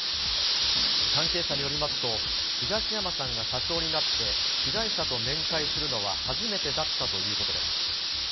関係者によりますと、東山さんが社長になって被害者と面会するのは初めてだったということです。